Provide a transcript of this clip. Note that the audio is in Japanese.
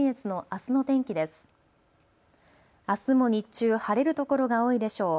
あすも日中、晴れる所が多いでしょう。